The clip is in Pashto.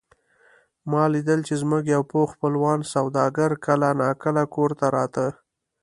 ما لیدل چې زموږ یو پوخ خپلوان سوداګر کله نا کله کور ته راته.